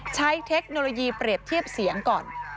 เทคโนโลยีเปรียบเทียบเสียงก่อน